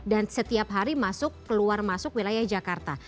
dan setiap hari masuk keluar masuk wilayah jakarta